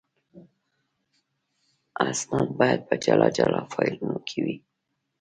اسناد باید په جلا جلا فایلونو کې وي.